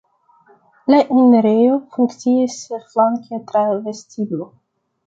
La enirejo funkcias flanke tra vestiblo.